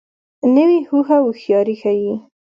نوې هوښه هوښیاري ښیي